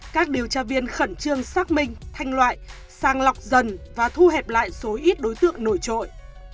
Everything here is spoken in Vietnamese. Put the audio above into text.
các điều tra viên khẩn trương xác minh thanh loại sang lọc dần và thu hẹp lại số ít đối tượng nổi trội